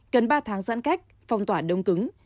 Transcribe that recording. cần ba tháng giãn cách phong tỏa đông cứng